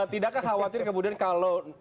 tidakkah khawatir kemudian kalau